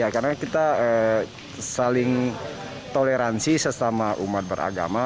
karena kita saling toleransi sesama umat beragama